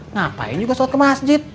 ngapain juga sholat ke masjid